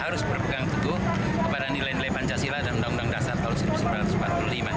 harus berpegang teguh kepada nilai nilai pancasila dan undang undang dasar tahun seribu sembilan ratus empat puluh lima